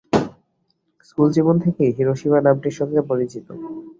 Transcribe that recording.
স্কুলজীবন থেকেই হিরোশিমা নামটির সঙ্গে পরিচিত।